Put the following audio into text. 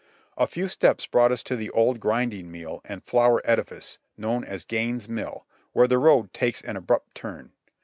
A few steps brought us to the old grinding meal and flour edifice, known as Gaines' Mill, where the road takes an abrupt turn.